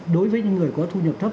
đối với những người có thu nhập thấp